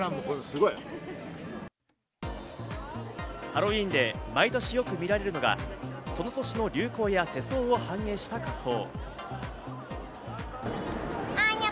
ハロウィーンで毎年よく見られるのが、その年の流行や世相を反映した仮装。